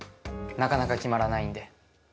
なかなか決まらないんで。